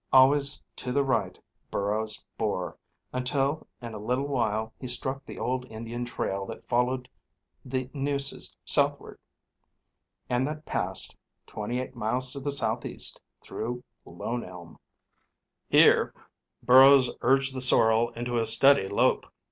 Always to the right Burrows bore, until in a little while he struck the old Indian trail that followed the Nueces southward, and that passed, twenty eight miles to the southeast, through Lone Elm. Here Burrows urged the sorrel into a steady lope.